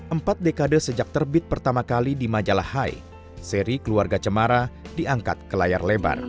empat dekade sejak terbit pertama kali di majalah hai seri keluarga cemara diangkat ke layar lebar